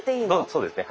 そうですね。